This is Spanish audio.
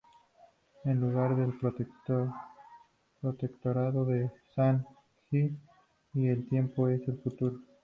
El lugar es el Protectorado de Shan Xi, y el tiempo es el futuro.